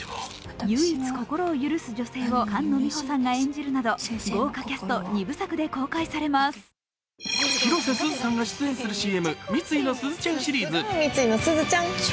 唯一心を許す女性を菅野美穂さんが演じるなど豪華キャスト２部作で公開されます広瀬すずさんが出演するＣＭ、三井のすずちゃんシリーズ。